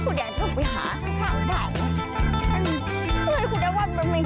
คุณญาต้องไปหาซะข้างหน่อย